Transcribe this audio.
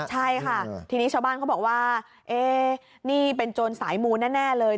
ใช่ค่ะทีนี้ชาวบ้านเขาบอกว่านี่เป็นโจรสายมูลแน่เลย